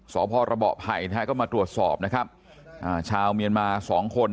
พระเบาะไผ่นะฮะก็มาตรวจสอบนะครับอ่าชาวเมียนมาสองคน